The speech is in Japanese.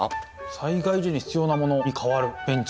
災害時に必要なものに変わるベンチ。